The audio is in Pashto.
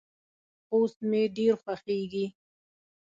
خوست مې ډیر خوښیږي.